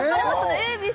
ＡＢＣ